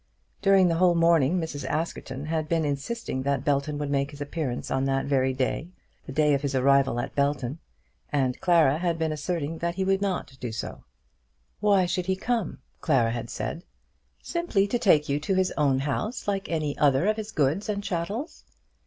During the whole morning Mrs. Askerton had been insisting that Belton would make his appearance on that very day, the day of his arrival at Belton, and Clara had been asserting that he would not do so. "Why should he come?" Clara had said. "Simply to take you to his own house, like any other of his goods and chattels."